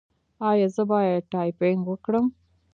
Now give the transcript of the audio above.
ایا زه باید ټایپینګ وکړم؟